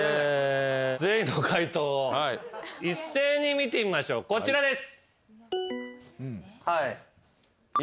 見てみましょうこちらです。